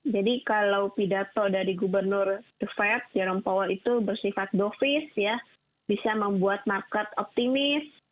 jadi kalau pidato dari gubernur the fed jerome powell itu bersifat dovis ya bisa membuat market optimis